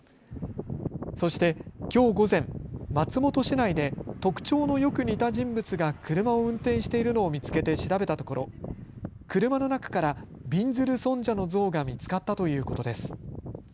そしてきょう午前、松本市内で特徴のよく似た人物が車を運転しているのを見つけて調べたところ、車の中からびんずる尊者の像が見つかったということです。